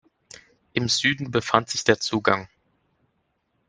Im Süden befand sich der Zugang.